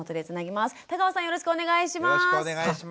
よろしくお願いします。